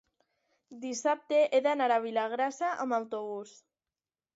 dissabte he d'anar a Vilagrassa amb autobús.